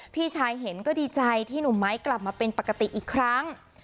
พี่ชายเห็นก็ดีใจที่หนุ่มไม้กลับมาเป็นปกติอีกครั้ง